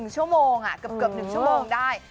๑ชั่วโมงเกือบ๑ชั่วโมงได้